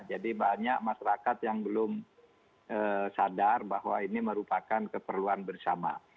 jadi banyak masyarakat yang belum sadar bahwa ini merupakan keperluan bersama